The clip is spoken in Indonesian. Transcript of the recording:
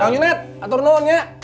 kang yunet atur naon ya